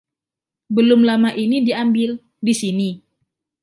Belum lama ini diambil, di sini?